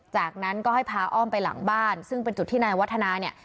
จากนั้นก็ให้พาอ้อมไปหลังบ้านซึ่งเป็นจุดที่นายวัฒนาเนี่ย